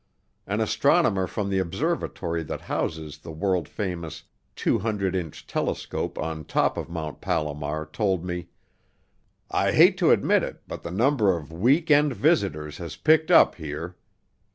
An astronomer from the observatory that houses the world famous 200 inch telescope on top of Mt. Palomar told me: "I hate to admit it but the number of week end visitors has picked up here.